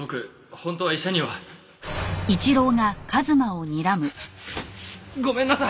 本当は医者には。ごめんなさい！